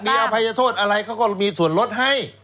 มีอภัยโทษอะไรเขาก็มีส่วนลดให้